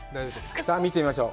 さあ、見てみましょう。